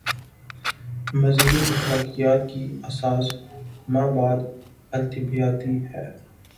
مذہبی اخلاقیات کی اساس مابعد الطبیعیاتی ہے۔